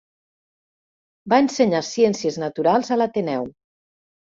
Va ensenyar ciències naturals a l'Ateneu.